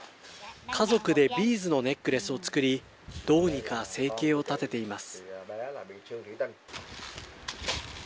家族でビーズのネックレスを作り、どうにか生計を立てています。